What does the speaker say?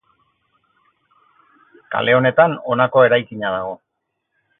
Kale honetan honako eraikina dago.